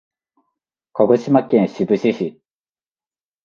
鹿児島県志布志市